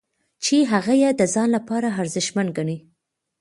چې هغه یې د ځان لپاره ارزښتمن ګڼي.